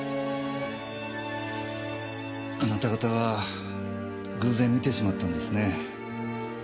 あなた方は偶然見てしまったんですね。